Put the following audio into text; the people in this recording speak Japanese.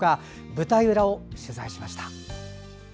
舞台裏を取材しました。